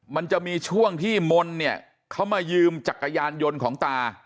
มันจะมีช่วงที่มนต์เนี่ยเขามายืมจักรยานยนต์ของตา